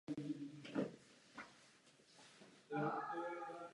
Tohle všechno začíná na světové scéně vypadat směšně.